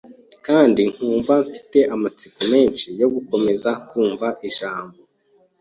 kandi nkumva mfite amatsiko menshi yo gukomeza kumva ijambo